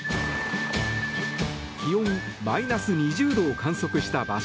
気温マイナス２０度を観測した場所。